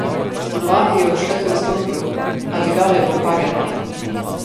Stanovanje je v četrtem nadstropju, a dvigalo je pokvarjeno...